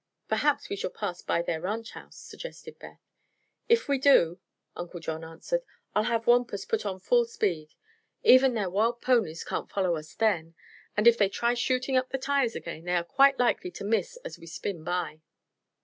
"Perhaps we shall pass by their ranch house," suggested Beth. "If we do," Uncle John answered, "I'll have Wampus put on full speed. Even their wild ponies can't follow us then, and if they try shooting up the tires again they are quite likely to miss as we spin by."